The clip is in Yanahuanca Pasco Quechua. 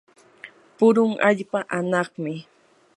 purun allpa anaqmi.